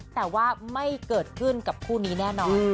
แต่ว่าไม่เกิดขึ้นกับคู่นี้แน่นอน